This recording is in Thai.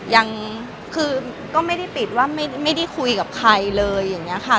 ยังคือก็ไม่ได้ปิดว่าไม่ได้คุยกับใครเลยอย่างนี้ค่ะ